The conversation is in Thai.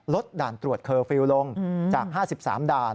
ด่านตรวจเคอร์ฟิลล์ลงจาก๕๓ด่าน